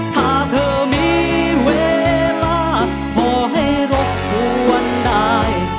ถ้าเธอมีเวลาพอให้รบกวนได้